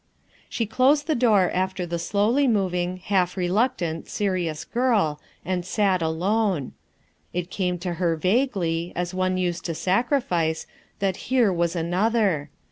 She closed the door after the slowly moving, half reluctant, serious girt, and sat alone. It came to her vaguely, as one used to sacrifice, that hero was another.